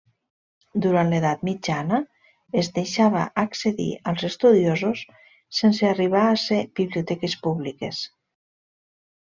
Durant l'Edat Mitjana es deixava accedir als estudiosos sense arribar a ser biblioteques públiques.